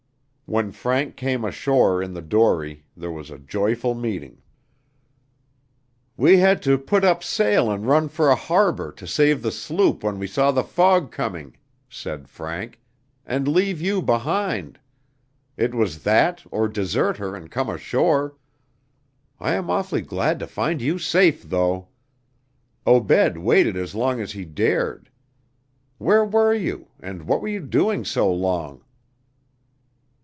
When Frank came ashore in the dory there was a joyful meeting. "We had to put up sail and run for a harbor to save the sloop when we saw the fog coming," said Frank, "and leave you behind. It was that or desert her and come ashore. I am awfully glad to find you safe, though. Obed waited as long as he dared. Where were you, and what were you doing so long?"